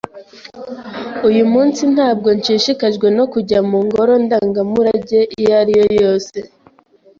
Uyu munsi ntabwo nshishikajwe no kujya mu ngoro ndangamurage iyo ari yo yose.